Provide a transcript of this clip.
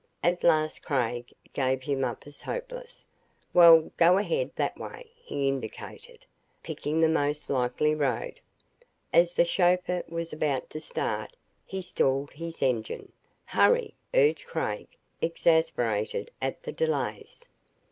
At last Craig gave him up as hopeless. "Well go ahead that way," he indicated, picking the most likely road. As the chauffeur was about to start, he stalled his engine. "Hurry!" urged Craig, exasperated at the delays.